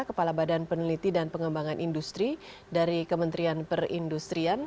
kepala badan peneliti dan pengembangan industri dari kementerian perindustrian